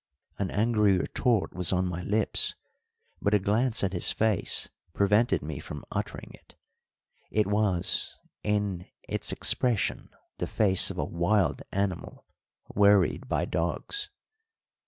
An angry retort was on my lips, but a glance at his face prevented me from uttering it it was, in its expression, the face of a wild animal worried by dogs.